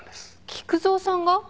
菊蔵さんが？